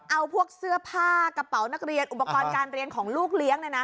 เอาพวกเสื้อผ้ากระเป๋านักเรียนอุปกรณ์การเรียนของลูกเลี้ยง